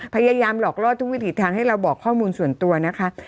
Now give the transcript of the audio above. พยายามหลอกล่อทุกวิถีทางให้เราบอกข้อมูลส่วนตัวนะคะ